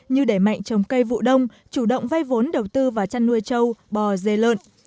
như đẩy mạnh trồng cây vụ đông chủ động vay vốn đầu tư vào chăn nuôi trâu bò dê lợn